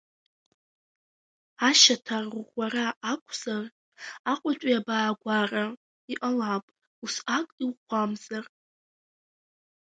Ашьаҭа арӷәӷәара акәзар, Аҟәатәи абаагәара, иҟалап, усҟак изӷәӷәамзар.